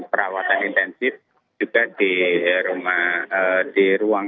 perawatan intensif juga di ruang